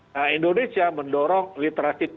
nah indonesia mendorong literasi